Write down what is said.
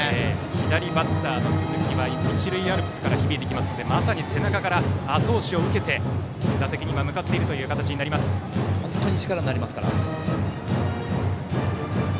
左バッターの鈴木は一塁アルプスから響いてきますのでまさに背中からあと押しを受けて本当に力になりますから。